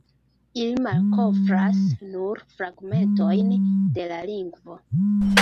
Ili malkovras nur fragmentojn de la lingvo.